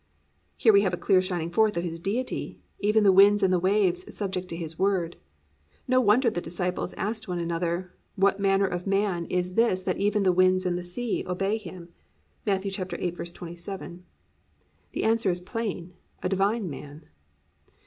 "+ Here we have a clear shining forth of His Deity, even the winds and the waves subject to His word. No wonder the disciples asked one another, +"What manner of man is this that even the winds and the sea obey him?"+ (Matt. 8:27). The answer is plain: a Divine Man.